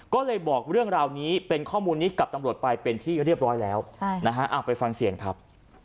ก็เลยบอกเรื่องราวนี้เป็นข้อมูลนี้กับตำรวจไปเป็นที่เรียบร้อยแล้วไปฟังเสียงครับ